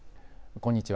こんにちは。